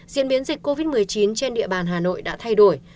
diễn biến dịch covid một mươi chín trên địa bàn hà nội đã thay đổi